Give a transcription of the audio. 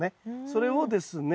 それをですね